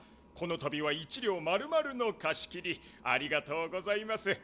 このたびは１両まるまるのかし切りありがとうございます。